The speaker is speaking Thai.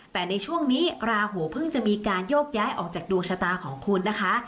แต่ในช่วงนี้ราหูเพิ่งจะมีการโยกย้ายออกจากดวงชะตาของคุณนะคะ